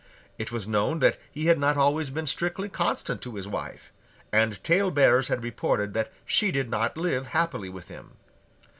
It was known that he had not always been strictly constant to his wife; and talebearers had reported that she did not live happily with him.